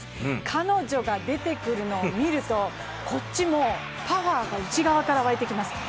彼女が出てくるのを見ると、こっちもパワーが内側から沸いてきます。